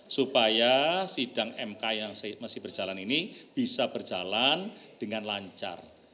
supaya sidang mk yang masih berjalan ini bisa berjalan dengan lancar